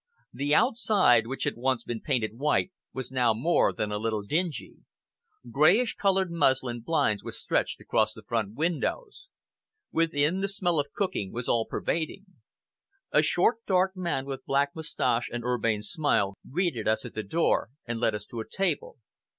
The outside, which had once been painted white, was now more than a little dingy. Greyish colored muslin blinds were stretched across the front windows. Within, the smell of cooking was all pervading. A short dark man, with black moustache and urbane smile, greeted us at the door, and led us to a table.